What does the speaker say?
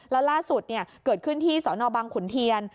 แล้วล่าสุดเกิดขึ้นที่สนบังขุนเทียน